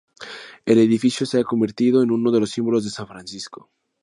El edificio es se ha convertido en uno de los símbolos de San Francisco.